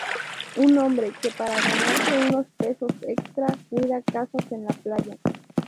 Un hombre que para ganarse unos pesos extra cuida casas en la playa.